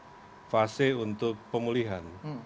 jadi kita sudah berhasil untuk pemulihan